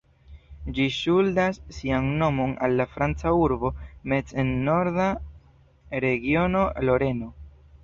Ĝi ŝuldas sian nomon al la franca urbo Metz en norda regiono Loreno.